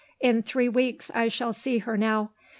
In three weeks I shall see her now.